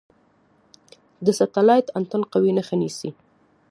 د سټلایټ انتن قوي نښه نیسي.